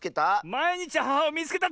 「まいにちアハハをみいつけた！」